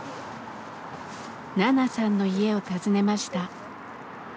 ナナさんの家を訪ねました。